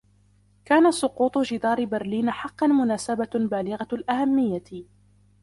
كان سقوط جدار برلين حقاً مناسبة بالغة الأهمية.